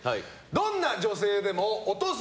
どんな女性でもオトす